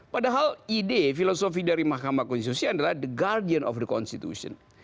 padahal ide filosofi dari mahkamah konstitusi adalah the guardian of the constitution